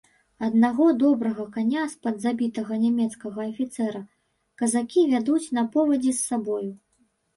Аднаго, добрага, каня з-пад забітага нямецкага афіцэра казакі вядуць на повадзе з сабою.